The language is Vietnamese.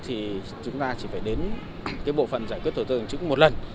thì chúng ta chỉ phải đến bộ phận giải quyết thổ tư hành chính một lần